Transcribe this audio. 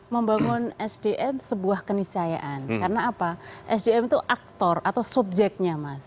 membangun sdm sebuah keniscayaan karena apa sdm itu aktor atau subjeknya mas